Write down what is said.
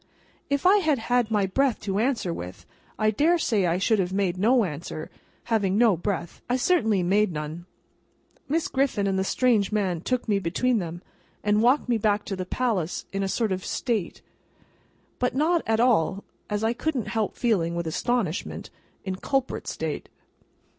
If I had had any breath to answer with, I dare say I should have made no answer; having no breath, I certainly made none. Miss Griffin and the strange man took me between them, and walked me back to the palace in a sort of state; but not at all (as I couldn't help feeling, with astonishment) in culprit state.